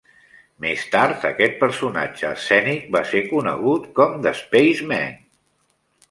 Més tard, aquest personatge escènic va ser conegut com "The Spaceman".